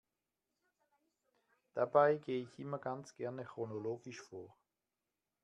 Dabei gehe ich immer ganz gerne chronologisch vor.